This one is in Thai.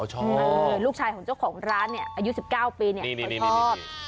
อ๋อชอบลูกชายของเจ้าของร้านเนี้ยอายุสิบเก้าปีเนี้ยเขาชอบนี่นี่นี่